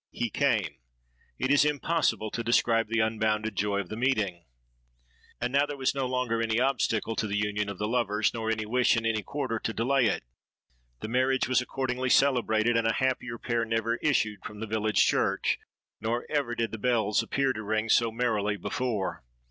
He came:—it is impossible to describe the unbounded joy of the meeting! "And now there was no longer any obstacle to the union of the lovers, nor any wish in any quarter to delay it. The marriage was accordingly celebrated and a happier pair never issued from the village church; nor did ever the bells appear to ring so merrily before.